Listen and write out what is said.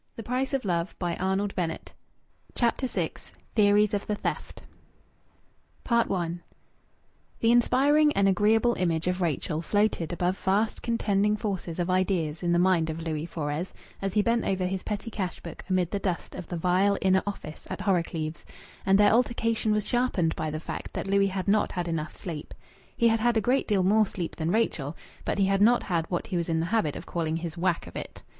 Rachel obeyed, in agitated, uneven tones. CHAPTER VI THEORIES OF THE THEFT I The inspiring and agreeable image of Rachel floated above vast contending forces of ideas in the mind of Louis Fores as he bent over his petty cash book amid the dust of the vile inner office at Horrocleave's; and their altercation was sharpened by the fact that Louis had not had enough sleep. He had had a great deal more sleep than Rachel, but he had not had what he was in the habit of calling his "whack" of it.